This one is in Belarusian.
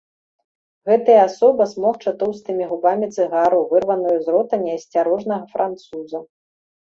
Гэтая асоба смокча тоўстымі губамі цыгару, вырваную з рота неасцярожнага француза.